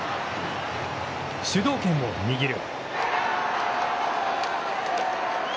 主導権を握る。